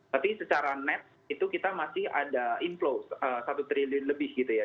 tapi secara net itu kita masih ada inflow satu triliun lebih gitu ya